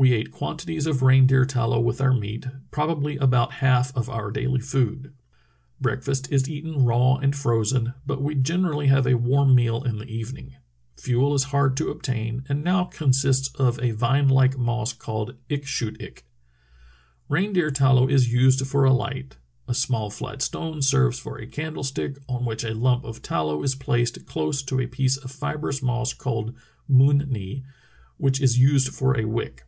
"We ate quantities of reindeer tallow with our meat, probabl} about half of our daily food. Breakfast is eaten raw and frozen, but we generally have a warm meal in the evening. Fuel is hard to obtain and now consists of a vine like moss called ik shoot ik. Reindeer tallow is used for a light. A small, flat stone serves for a candlestick, on w^hich a lump of tallow is placed close to a piece of fibrous moss called mun ney which is used for a wick.